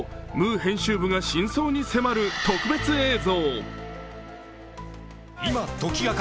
編集部が真相に迫る特別映像。